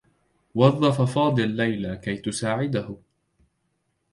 وظّف فاضل ليلى كي تساعده.